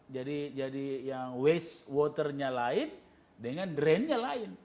jadi yang waste water nya lain dengan drain nya lain